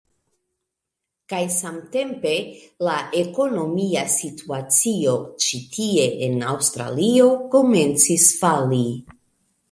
kaj samtempe la ekonomia situacio ĉi tie en Aŭstralio komencis fali.